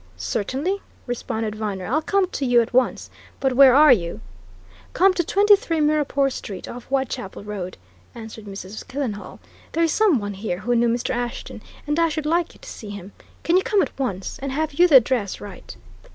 "Certainly!" responded Viner. "I'll come to you at once. But where are you?" "Come to 23 Mirrapore Street, off Whitechapel Road," answered Mrs. Killenhall. "There is some one here who knew Mr. Ashton, and I should like you to see him. Can you come at once? And have you the address right?"